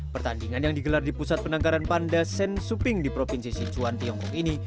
pertandingan yang digelar di pusat penangkaran panda stn shooping di provinsi sichuan tiongkok ini